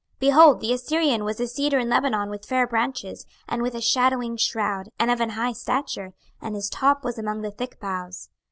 26:031:003 Behold, the Assyrian was a cedar in Lebanon with fair branches, and with a shadowing shroud, and of an high stature; and his top was among the thick boughs.